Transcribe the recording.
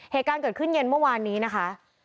เหตุการณ์เกิดขึ้นเย็นเมื่อวานนี้นะคะ